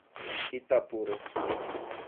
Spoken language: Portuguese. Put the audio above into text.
Itapura